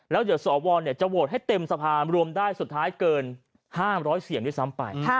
แล้วเดี๋ยวสวจะโหวตให้เต็มสะพานรวมได้สุดท้ายเกิน๕๐๐เสียงด้วยซ้ำไป